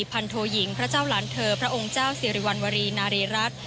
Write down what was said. พันโทยิงพระเจ้าหลานเธอพระองค์เจ้าสิริวัณวรีนารีรัฐ